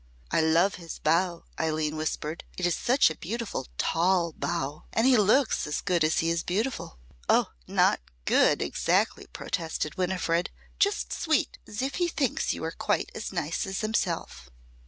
"I love his bow," Eileen whispered. "It is such a beautiful tall bow. And he looks as good as he is beautiful." "Oh! not good exactly!" protested Winifred. "Just sweet as if he thinks you are quite as nice as himself."